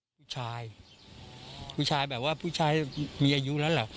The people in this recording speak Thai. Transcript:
ผู้ชายผู้ชายแบบว่าผู้ชายมีอายุแล้วเหรอ